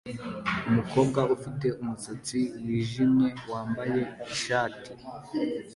Umukobwa ufite umusatsi wijimye wambaye ishati